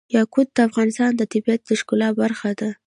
یاقوت د افغانستان د طبیعت د ښکلا برخه ده.